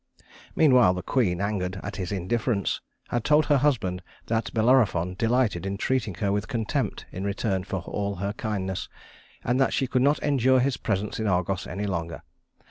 Meanwhile the queen, angered at his indifference, had told her husband that Bellerophon delighted in treating her with contempt in return for all her kindness, and that she could not endure his presence in Argos any longer.